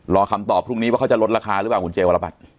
รอคำตอบพรุ่งนี้ว่าเขาจะลดราคาหรือเปล่าคุณเจวรบัตร